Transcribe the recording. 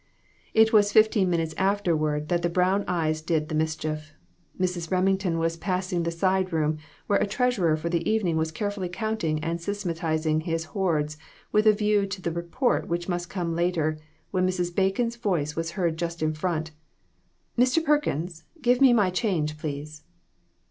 It was fifteen minutes afterward that the brown eyes did the mischief. Mrs. Remington was passing the side room, where a treasurer for rhe evening was carefully counting and systematizing his hoards with a view to the report which must come later, when Mrs. Bacon's voice was heard just in front "Mr. Perkins, give me my change, please."